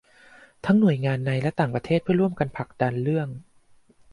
ทั้งหน่วยงานในและต่างประเทศเพื่อร่วมกันผลักดันเรื่อง